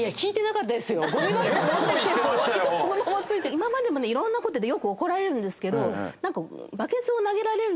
今までもいろんなことでよく怒られるんですけど。